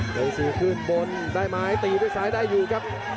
ตีสี่ขึ้นบนได้ไม้ตีด้วยซ้ายได้อยู่ครับ